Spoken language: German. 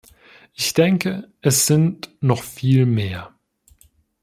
Ich denke, es sind noch viel mehr.